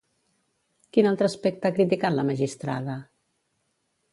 Quin altre aspecte ha criticat la magistrada?